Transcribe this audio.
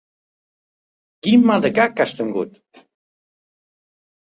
Quin mal de cap que has tingut!